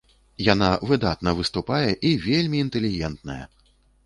Яна выдатна выступае і вельмі інтэлігентная!